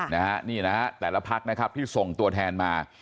นะฮะนี่นะฮะแต่ละพักนะครับที่ส่งตัวแทนมา